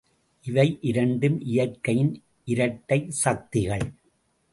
இவை இரண்டும் இயற்கையின் இரட்டை சக்திகள்!